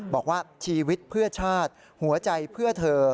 บอกว่าชีวิตเพื่อชาติหัวใจเพื่อเธอ